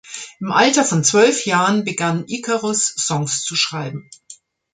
Im Alter von zwölf Jahren begann Ikarus Songs zu schreiben.